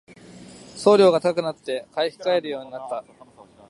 送料が高くなって買い控えるようになった